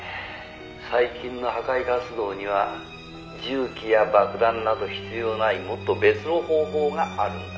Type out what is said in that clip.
最近の破壊活動には銃器や爆弾など必要ないもっと別の方法があるんだ」